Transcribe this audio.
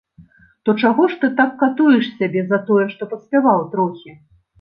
То чаго ж ты так катуеш сябе за тое, што паспяваў трохі?